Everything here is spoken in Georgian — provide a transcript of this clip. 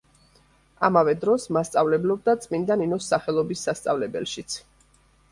ამავე დროს მასწავლებლობდა წმინდა ნინოს სახელობის სასწავლებელშიც.